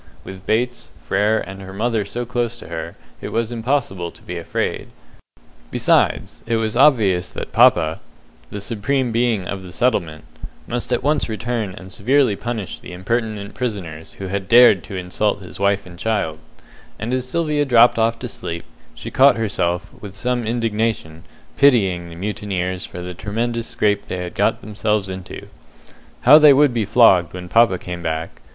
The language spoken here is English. With Bates, Frere, and her mother so close to her, it was impossible to be afraid; besides, it was obvious that papa the Supreme Being of the settlement must at once return and severely punish the impertinent prisoners who had dared to insult his wife and child, and as Sylvia dropped off to sleep, she caught herself, with some indignation, pitying the mutineers for the tremendous scrape they had got themselves into. How they would be flogged when papa came back!